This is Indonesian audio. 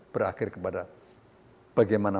berakhir kepada bagaimana